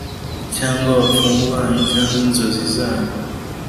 cyangwa abapfumu banyu cyangwa inzozi zanyu